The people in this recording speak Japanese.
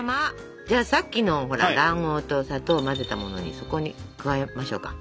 じゃあさっきのほら卵黄と砂糖を混ぜたものにそこに加えましょうか。